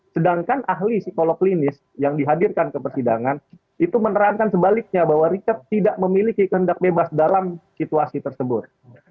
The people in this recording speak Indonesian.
sedangkan ahli psikolog klinis yang dihadirkan ke persidangan itu menerangkan sebaliknya bahwa richard tidak memiliki kehendak bebas dalam situasi tersebut